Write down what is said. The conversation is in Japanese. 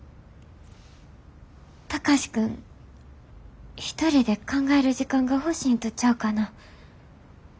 貴司君一人で考える時間が欲しいんとちゃうかな。